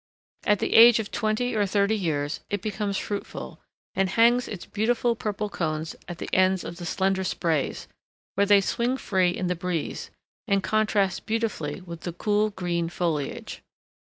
At the age of twenty or thirty years it becomes fruitful, and hangs out its beautiful purple cones at the ends of the slender sprays, where they swing free in the breeze, and contrast delightfully with the cool green foliage.